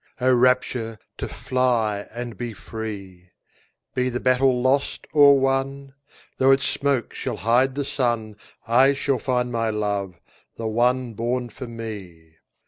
O rapture, to fly And be free! Be the battle lost or won, 5 Though its smoke shall hide the sun, I shall find my love—the one Born for me!